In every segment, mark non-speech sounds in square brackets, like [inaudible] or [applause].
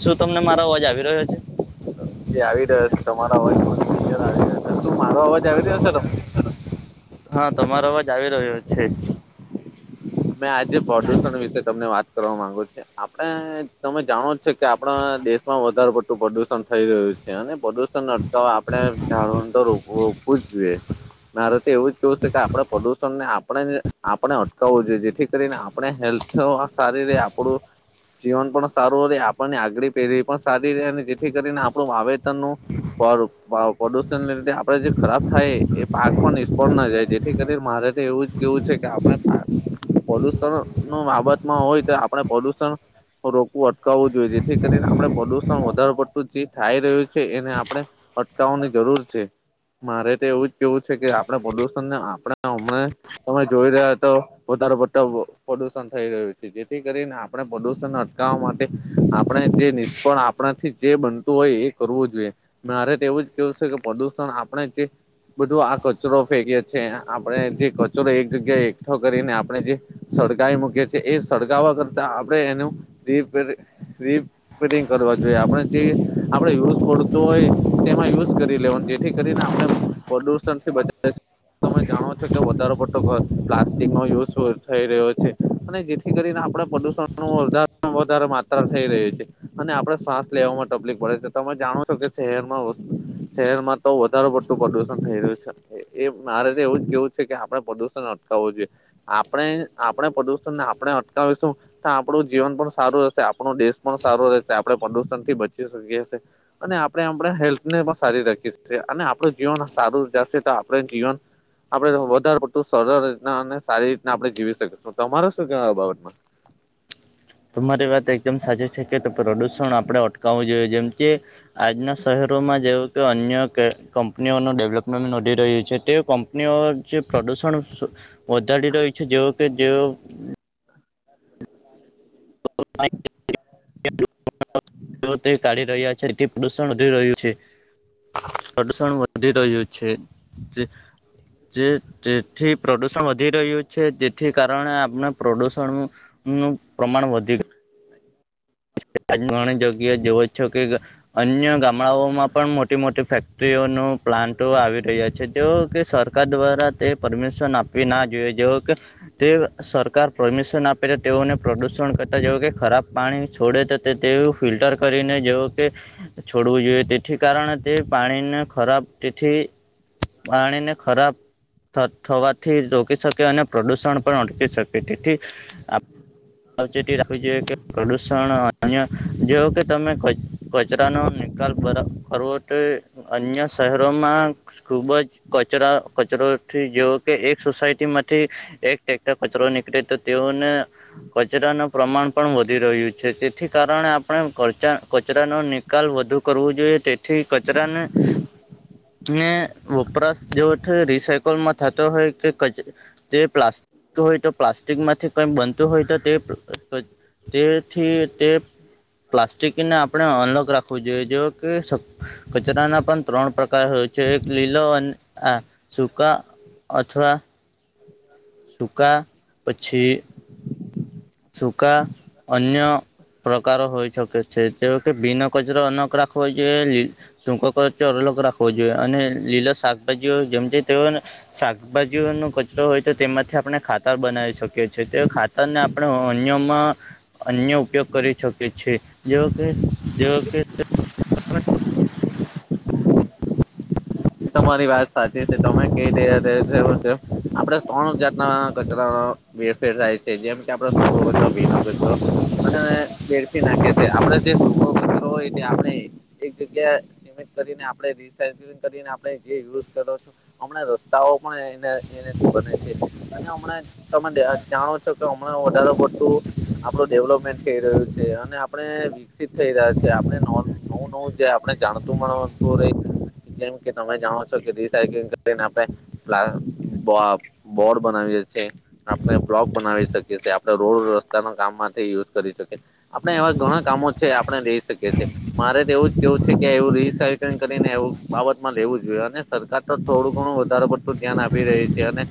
શું તમને મારો અવાજ આવી રહ્યો છે? જે આવી રહ્યો છે તમારા અવાજમાં અયર આવી રહ્યો છે શું મારો અવાજ આવી રહ્યો છે તમને? હા તમારો અવાજ આવી રહ્યો છે. મેં આજે પ્રદુષણ વિશે તમને વાત કરવા માંગુ છે આપણે તમે જાણો છે. કે આપણા દેશમાં વધારે પ પ્રદુષણ થઈ રહ્યું છે અને પ્રદુષણ અ તો આપણે ઝાડુ તો વ જોઈએ, મારેતે એવું જ કેવું છે કે આપણે પ્રદુષણ ને આપણે આપણે અટકાવવું જોઈએ. જેથી કરીને આપણે હેલ્થ સારી ર આપણું જીવન પણ સારું આપણને આગળ પેઢી પણ સારી ર અને જેથી કરીને આપણું વાવેતર ન પ્રદુષણને લીધે આપડે જે ખરાબ થાય એ પાક પણ નિષ્ફળ ના જાય, જે ક મારે તો એવું જ કેવું છે કે આપડ. પોલ્યુષણ નું બાબતમાં હોય તો આપડ પોલ્યુષન. રોકવું અટકાવવું જોઈએ જેથી કરીને આપણે પ્રદુષણ વધારે પડતું જે થાઈ રહ્યું છે એને આપણે અટકાવવાની જરૂર છે. મારે તો એવું જ કેવું છે કે આપણા પ્રદુષણને આપણે હમણાં તમે જોઈ રહ્યા તો વધારે પડતો પ્રદુષણ થઈ રહ્યું છે જેથી કરીને આપણે પ્રદુષણ- માટે, આપણે જે નિષ્ફળ આપણાથી જે બનતું હોય એ કરવું જોઈએ, મેરે એવું જ કેવું છે કે પ્રદુષણ આપણે જે બધું આ કચરો ફેંકી છે આપડે જે કચરો એક જગ્યાએ એકઠ આપણે જે સળગાવી મૂકી છીએ એ સળગાવવા કરતા આપણે એનું રટંગ કરવા જોઈએ આપે જે યઝ પત હોય તેમાં યુઝ કરી લે જેથી કરીને આપણે પ્રદુષણથી તમે જાણો છો કે વધારે પટોર પ્લા યુ થઈ રહ્યો છે, અને જેથી કરીને આપણા પ્રદુષણ નો વધારે વધારે માત્રા થઈ રહી છે. અને આપણે શ્વાસ લેવામાં તકલીફ પડે છે તમે જાણો છો કે શહેરમાં શહેરમાં તો વધારેુ પડતું પ્રદુષણ થઈ રહ્યું છે એ મારે તો એવું જ કેવું છે કે આપડણે પ્રદુષણ અટકાવવું જોઈએ. આપણે આપણે પ્રદુષણને આપણે અટકાવીશું. તો આપણું જીવન પણ સારું રહેશે આપણો દેશ પણ સારો રહેશે આપણે પ્રદુષણ થી બચી શકીએ છીએ. અને આપણે આપણા હેલ્થને પણ સારી રાખીએએ અને આપણું જીવન સારું જશે તો આપણે જીવન આપડણે વધારે પડતું સરળ રીતના અને સારી રીતના આપડણે જીવી શકીશું તમારે શું કેવાય આ બાબતમાં.? તમારી વાત એકદમ સાચી છે કે, પ્રદુષણ આપણે અટકાવવું જોઈએ જેમ કે આજના શહેરોમાં જેવું કે અન્ય કંપનીઓનું ડેવલપમેન્ટ વધી રહ્યું છે તે કં પ [inaudible] જે પ્રદૂષણ બદાળ રહી છે જેવ કે જેવો [unintelligible] [inaudible] તે કાઢી રહ્યા છે તેથી પ્રદુષણ વધી રહ્યું છે. પ્રડસણ વધી રહ્યું છે. તે જે તેથી પ્રદુષણ વધી રહ્યું છે જેથી કારણે આપણે પ્રદુષણ નું પ્રમાણ વધિ ગયુ ઘણી જગ્યા જોઓ છો કે અન્ય ગામડાઓમાં પણ મોટી મોટી ફેક્ટરીઓ નો પ્લાન્ટો આવી રહ્યા છે તે વો કે સર ક દ્વારા તે પરમેશ શન આપવી ના જોઈએ, જે ઓ કે તે સરકાર પરમિશન આપે તેઓને પ્રદુષણ ક જે કે ખરાબ પાણી છોડે તો તેવું ફિલ્ટર કરીને જેવો કે છોડવું જોઈએ તેથી કારણે તે પાણીને ખરાબ તેથી પાણીને ખરાબ થવાથી રોકી શકે અને પ્રદુષણ પણ ઓટકી શકે તેથી આપ સાવચેતી રાખવી જોઈએ કે, પ્રદુષણ અન્ય જેવો કે તમે કચરા નો નિકાલ બ કરવોટ અન્ય શહેરોમાં ખુબ જ કચરા કચરોથી જેવો કે એક સોસાયટીમાંથી એકક્ટર કચરો નીકળે તો તેઓને કચરાનું પ્રમાણ પણ વધી રહ્યું છે તે થી કારણે આપણે કચા કચરાનો નિકાલ વધુ કરવો જોઈએ તેથી કચરાને હમ. ને વપરાશ જે રિસકલમાં થતો હોય કે તે પ્લાસ્ટિક હોય તો પ્લાસ્ટિક માંથી કોઈ બનતું હોય તો તે તો તેથી તે પ્લાસ્ટિકને આપણે અનલોક રાખવું જોઈએ જો કચરાના પણ ત્રણ પ્રકાર હો છે. એક લીલો અને શૂકા અથવા સુૂકા પછી સુૂકા અન્ય પ્રકારો હોઈ શકે છે તે કે બિનો કચરો અનક રાખવો જોઈએ લી સૂકો કચો અલગ રાખવો જોઈએ અને લીલા શાકભાજીઓ જેમ જે તેઓને શાકભાજી નો કચરો હોય તો તેમાંથી આપણે ખાતર બનાવી શકીએ છીએ તો ખાતર ને આપ અન્યમાં અન્ય ઉપયોગ કરી શકીએ છીએ જે ઓકે જે ઓકે તમારી વાત સાચી છે તમે કહી રહ્યા તે આપડે ત્રણ જાત ના કચરા વેરફેર થાય છે. જેમ કે આપડો સૂખ, ગતો ભીનો ગતો અને બેડથી નાખી છે આપણે જે સુખો કચરો હોય તે આપણે એક જગ્યા ને આપણે રીસાયક્લંગ કરીને આપણે જે યુઝ કરો છો હમણા રસ્તાઓ પણ છે અને હમણા તમે જાણો છો કે હમણા વધારે પડતું આપણું ડેવલપમેન્ટ થઈ રહ્યું છે, અને આપણે વિકસિત થઈ રહ્યા છે, આપણે નોન નવું નવું જે આપણે જાણતું મતું રહી. જેમ કે તમે જાઓ છો કે રી સાઇકિંગ કરીને આપે પ બોર્ડ બનાવી દે છે. આપણે બ્લોક બનાવી શકીએ છીએ આપણે રોડ રસ્તાના કામમાંથી યુઝ કરી શકીએ. આપણે એવા ઘણા કામો છે આપણે રઈ શકીએ છીએ. મારે તો એવું જ કેવું છે કે એવું રીસાયકલિંગ કરીને એવું બાબત માં લેવું જોઈએ અને સરકાર તો થોડું ઘણું વધારે પડતું ધ્યાન આપી રહી છે અને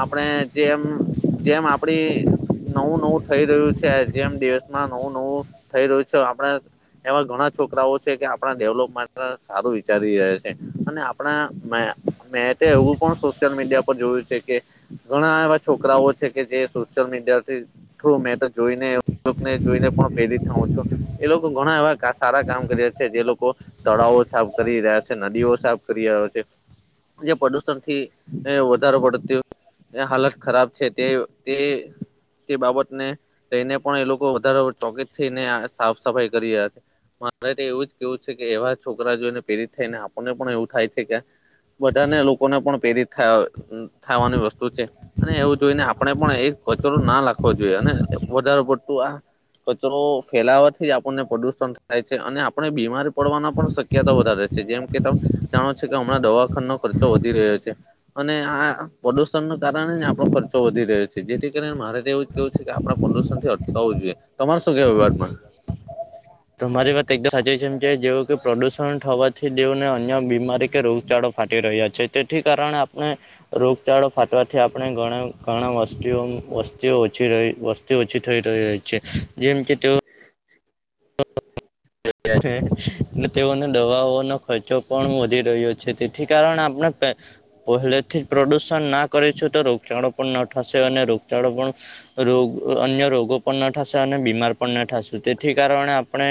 આપણે જેમ જેમ આપડી નવું નવું થઈ રહ્યું છે હ જેમ દિવસમાં નવું નવું, થઈ રહ્યું છે આપડ. એવા ઘણા છોકરાઓ છે કે આપણા ડેવલપમે સારું વિચારી રહ અને આપણા મે મે તે એવું પણ સોશિયલ મીડિયા પર જોયું છે કે ઘણા એવા છોકરાઓ છે કે જે સોશિયલ મીડિયાથી થ્રુ મેં તો જોઈનેને જોઈને પણ પહેરી થ હું છું. એ લોકો ઘણા એવા સારા કામ કરી્યા છે જે લોકો, તળાવો સાબ કરી રહ્યા છે. નદીઓ સાફ કરી રહ્યો છે, જે પ્રદુષણ થી વધારો પડતો હાલત ખરાબ છે તે તે તે બાબત ને લઈને પણ એ લોકો વધારે ચોકીિત થઈને સાફ સફાઈ કરી રહ્યા છે. મારે તો એવું જ કેવું છે કે એવા છોકરા જોઈને થને આપણને પણ એવું થાય છે કે, બધાને લોકોને પણ પ્રેરિત થાવાની વસ્તુ છે. અને એવું જોઈ ને આપણે પણ એ કચરો ના લખવો જોઈએ અને વધારે પડતું આ કચરો ફેલાવાથી આપણને પ્રદુષણ થાય છે અને આપણે બીમારી પડવાની પણ શક્યતા વધારે છે. જેમ કે તમે, જાણો છો કે હમણાં દવાખા ન ખર્ચો વધી રહ્યો છે. અને આ પ્રદુષણ ન કારણે જ આપણો ખર્ચો વધી રહ્યો છે જેથી કરીણે મારે તો એવું જ કેવું છે કે આપ પ્રદુણ થી અટાવું જોઈએ, તમાર શું કે વિવાદ માં? તોરી વાત એકદમ સાચી છેમ છે જેવ કે પ્રદૂષણ થવાથી દેવને અન્ય બીમારી કે રોગ ચાડો ફાટી રહ્યા છે તેથી કારણે આપણે રોગચાળો ફાટવાથી આપણે ઘણા ઘણા વસ્તુઓ વસ્તીઓ ઓછી રહી તે ઓછી થઈ રહી છે, જેમ કે તેઓ તેઓને દવાઓ ખર્ચો પણ વધી રહ્યો છે તેથી કારણે આપણે પહેલેથી જ પ્રદુષણ ના કરી છેું તો રોગચાળો પણ ન થશે અને રોગચાળો પણ રોગ અન્ય રોગો પણ ના થશે અને બીમાર પણ ના થશે તેથી કારણે આપણે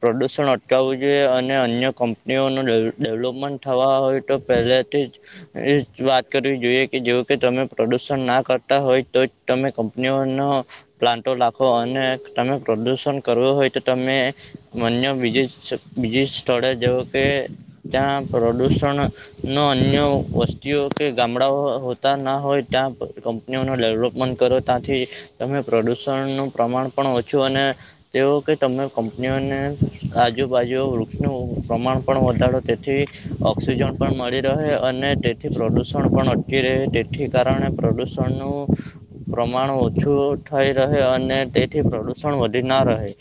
પ્રદૂષણ અટકાવવું જોઈએ અને અન્ય કંપનીઓનું ડેવલપમેન્ટ થવા હોય તો પહેલે વાત કરવી જોઈએ કે જે કે તમે પ્રદુષણ ના કરતા હોય. તો તમે કંપનીઓનો પ્લાન્ટો લખો અને તમે પ્રદુષણ કરવું હોય તો તમે મન્ય બીજી બીજી સ્થળે જેવ કે ત્યાં પ્રદૂષણ. ન અન્ય વસ્તીઓ કે ગામડાઓ હોતા ના હોય ત્યાં કનીઓનું ડેવલપમેન્ટ કરો ત્યાંથી, તમે પ્રદૂષણનું પ્રમાણ પણ ઓછું અને તેઓ કે તમે કંપનીઓને આજુબાજુ વૃક્ષનું પ્રમાણ પણ વધારો તેથી, ઓક્સિજન પણ મળી રહે અને તેથી પ્રદુષણ પણ અી રહે તેથી કારણે પ્રદુષણનું પ્રમાણ ઓછું થઈ રહે અને તેથી પ્રદુષણ વધી ના રહે.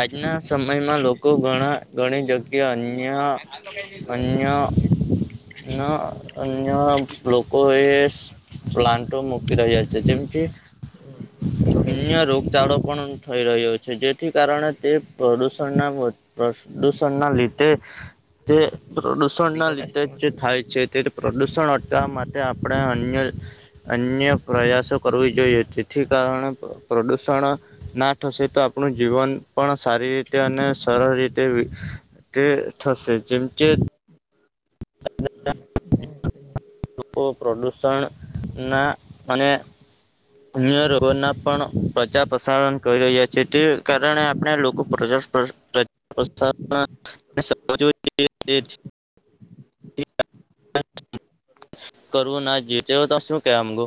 આજના સમયમાં લોકો ઘણા ઘણી જગ્યા અન્ય અન્ય ના અન્ય લોકોએ પ્લાન્ટ મુકી રહી આશે જેમ કે, અ્ય રોગ ચાળ પણ થઈ રહ્યો છે જેથી કારણે તે પ્રદૂષણના પ્રદુષણના લીધે, તે પ્રદૂષણના લીધે જ જે થાય છે તે પ્રદુષણ અટવા માટે આપણે અન્ય અન્ય પ્રયાસો કરવી જોઈએ જેથી કારણે પ્રદૂષણ ના થશે તો આપણું જીવન પણ સારી રીતે અને સરળ રીતે, તે થશે જેમ કે જ [unintelligible] લોકો પ્રદૂષણના અને અન્ય ર ના પણ પ્રજા પ્રસારણ કરી રહ્યા છે તે કારણે આપણે લોકો પ્રજા [unintelligible] [inaudible] કરું ના જીત્યો તો શું કેવા માગો?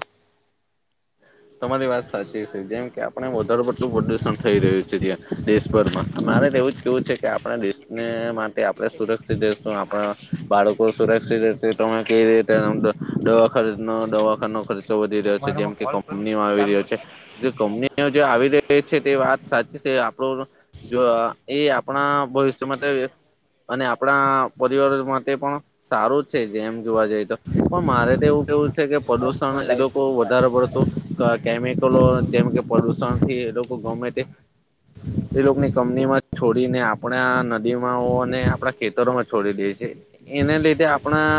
તમારી વાત સાચી છે જેમ કે આપણે વધારે પટલું પ્રદુષણ થઈ રહ્યું છે ત્યાં. દેશભરમાં મારે તો એવું જ કેવું છે કે આપણા દેશને આપણે સુરક્ષિત રહેશું આપણા બાળકો સુરક્ષિત રહેશે તો કેવી રીતે. દવાખાનો દવાખાનો ખર્ચો વધી રહ્યો છે જેમ કે કંપનીમાં આવી રહ્યો છે. જે કંપનીઓ જે આવી રહી છે તે વાત સાચી છે આપણું જો એ આપણા ભવિષ્ય માટે અને આપણા પરિવાર માટે પણ સારું છે જેમ જોવા જઈએ તો, પણ મારે તો એવું કેવું છે કે પદુષણ એ લોકો વધારે પડ તો કેમિકલો જેમ કે પ્રદુષણથી એ લોકો ગમે તે એ લોકોની કંપનીમાં છોડીને આપણે નદીમાં અને આપણા ખેતરોમાં છોડી દે છે, એને લીધે આપણા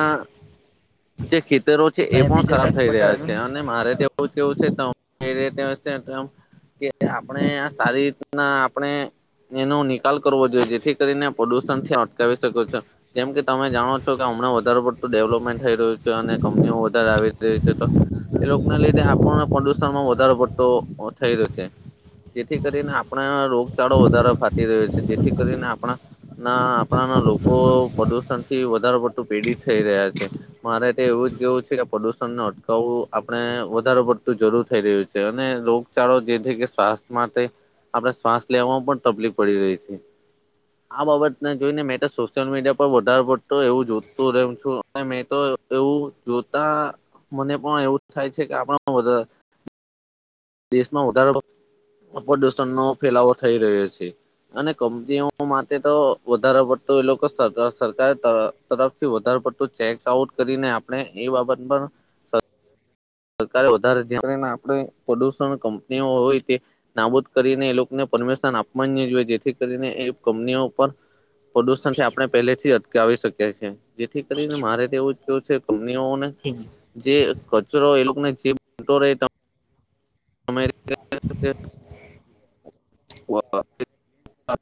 જે ખેતરો છે એ પણ ખરાબ થઈ રહ્યા છે અને મારે બ કેવું છે [unintelligible] કે આપણે આ સારી રીતના આપણે એનો નિકાલ કરવો જોઈએ જેથી કરીને પ્રદુષણ થી અટકાવી શકે્યો છે. જેમ કે તમે જાણો છો કે હમણાં વધારે પડતું ડેવલપમેન્ટ થઈ રહ્યું છે અને કંપનીઓ વધારે આવી રહી છે તો. એ લોકોને લીધે આપણને પ્રદુષણમાં વધારો પડતો થઈ રહ્યો છે. જેથી કરીને આપણા રોગચાળો વધારે ફાટી રહ્યો છે જેથી કરીને આપણા. ના આપણાના લોકો પ્રદુષણ થી વધારે પડતું પીડિત થઈ રહ્યા છે. મારે તો એવું જ કેવું છે કે પ્રદુષણને અટકાવવું આપડણે વધારો પડતું જરૂર થઈ રહ્યું છે અને રોગચાળો જે છે કે સ્વાસ્થ્ય માટે. આપડે શ્વાસ લેવામાં પણ તકલીફ પડી રહી છે. આ બાબતને જોઈ ને મેટ સોશિયલ મીડિયા પર વધારે પડતો એવું જોતું રહ્યું છું. મેં તો એવું જોતા મને પણ એવું થાય છે કે આપ દેશમાં વધારો પ્રદુષણનો ફેલાવો થઈ રહ્યો છે. અને કંપનીઓ માટે તો વધારો પડતો એ લોકો સર સરકાર તરફથી વધારે પડતું ચેક આઉટ કરીને આપણે એ બાબત પણ. સરકારે વધારે ધ્યાનને આપણે પ્રદુષણ કંપનીઓ હોય તે. નાબૂદ કરીને એ લોકોને પરમિશન આપ જોઈએ જેથી કરીને એ કંપનીઓ પર. પ્રદુષણ થી આપણે પેલેથી અટકાવી શકીએ છીએ. જેથી કરીને મારે તેવું કેું છે કંનીઓને હમ. જે કચરો એ લોકોને જેટો રહે. અ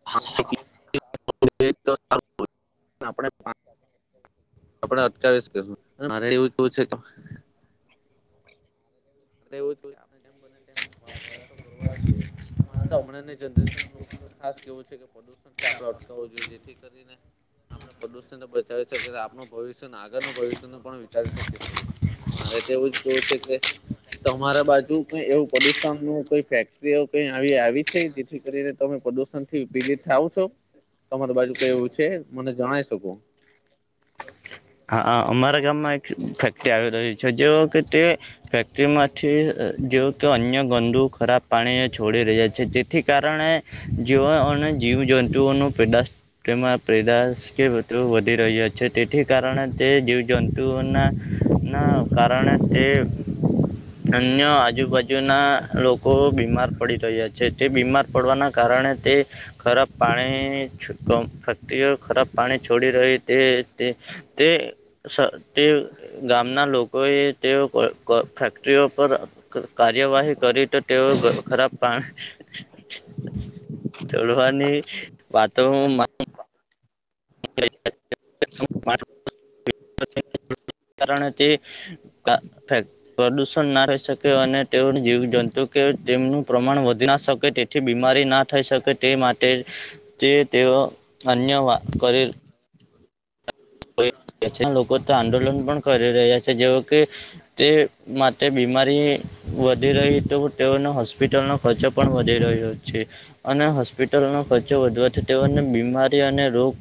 [unintelligible] અ [unintelligible] આપ [unintelligible] આપડે અટકાવીશ કશું, મારે એવું કવ છે કે એવું આપણે જે બ તેમ પ્રયાસો કરવા જ જોઈએ. અમારે તો હમણાંને જનરેશન લોકોને ખાસ કેવું છે કે પ્રદુષણ છે આપણેે અટકાવું જોઈએ જેથી કરીને આપણે પ્રદુષણ બચાવી શકીએ આપણું ભવિષ્ય આગળ ન ભવિષ્ય ન પણ વિચારી શકીએ છીએ. મારે તો એવું જ કેવું છે કે તમારા બાજુ કઈ એવું પ્રદુષણ નું કઈ ફેક્ટરીઓ કઈ આવી આવી છે જેથી કરીને તમે પ્રદુષણ પી થાવું છો, તમારી બાજુ કેવું છે મને જણાય શકો? હા અમારા ગામમાં એક ફેક્ટરી આવી રહી છે જે કે તે. ફેક્ટરીમાંથી જેવ કે અન્ય ગંદુ ખરાબ પાણી છોડી રહ્યા છે જેથી કારણે. જેઓ અને જીવ જંતુઓ ન પેદાશ તેમાં પેદા કે બધું વધી રહ્યા છે તે કારણે તે જીવજંતુઓના, ના કારણે તે અન્ય આજુબાજુના લોકો બીમાર પડી રહ્યા છે તે બીમાર પડવાના કારણે તે. ખરાબ પાણી ફેક્ટરીઓ ખરાબ પાણી છોડી રહી તે તે તે સ તે ગામના લોકોએ તેઓ ફેક્ટરીઓ પર કાર્યવાહી કરી તો તેઓ ખરાબ પાણી [unintelligible] [unintelligible] કારણ તે [unintelligible] પ્રદુષણ ના રહી શકે અને તેઓ જીવ જંતુ કે તેમનું પ્રમાણ વધી ના શકે. થી બીમારી ના થઈ શકે તે માટે, તે તેઓ અન્ય કરી લોકો તો આંદોલન પણ કરી રહ્યા છે જેવો કે. તે માટે બીમારી વધી રહી તો તેઓને હોસ્પિટલનો ખર્ચો પણ વધી રહ્યો છે. અને હોસ્પિટલોનો ખર્ચો વધવાથી તેઓને બીમારી અને રોગ